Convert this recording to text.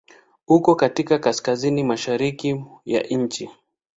Uko katika Kaskazini mashariki ya nchi.